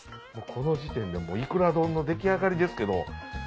この時点でイクラ丼の出来上がりですけど。